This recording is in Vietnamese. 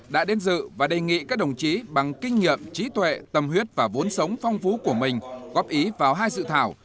đã đến dự và đề nghị các đồng chí bằng kinh nghiệm trí tuệ tâm huyết và vốn sống phong phú của mình góp ý vào hai dự thảo